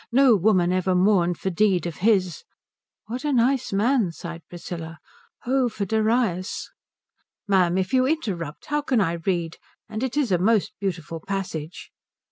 No woman ever mourned for deed of his '" "What a nice man," sighed Priscilla. "'O for Darius!'" "Ma'am, if you interrupt how can I read? And it is a most beautiful passage."